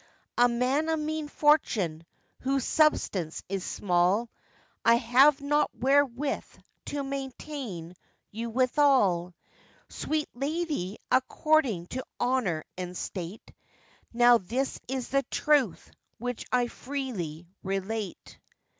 'A man of mean fortune, whose substance is small, I have not wherewith to maintain you withal, Sweet lady, according to honour and state; Now this is the truth, which I freely relate.